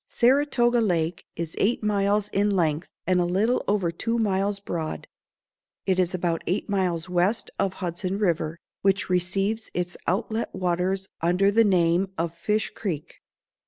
Saratoga Lake is eight miles in length, and a little over two miles broad. It is about eight miles west of Hudson River, which receives its outlet waters under the name of Fish Creek.